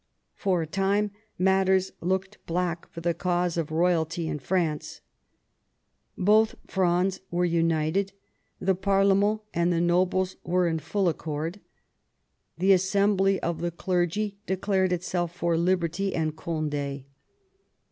For a time matters looked black for the cause of royalty in France. Both Frondes were united, the parlemerU and the nobles were in full accord, the assembly of the clergy declared itself for liberty and Cond^.